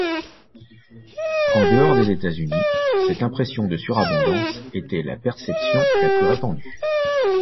En dehors des États-Unis, cette impression de surabondance était la perception la plus répandue.